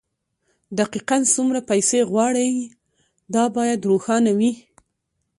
دقيقاً څومره پيسې غواړئ دا بايد روښانه وي.